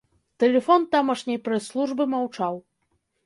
Тэлефон тамашняй прэс-службы маўчаў.